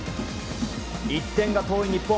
１点が遠い日本。